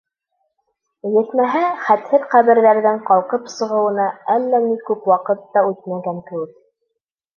Етмәһә, хәтһеҙ ҡәберҙәрҙең ҡалҡып сығыуына әллә ни күп ваҡыт та үтмәгән кеүек.